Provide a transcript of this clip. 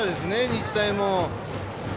日大も。